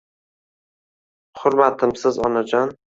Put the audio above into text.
Hurmatimsiz Onajon